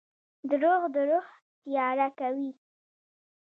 • دروغ د روح تیاره کوي.